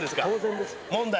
問題。